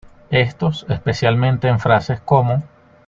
Estos especialmente en frases como.